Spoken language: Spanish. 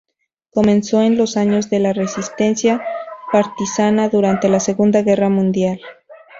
Comenzó en los años de la resistencia partisana durante la Segunda Guerra Mundial.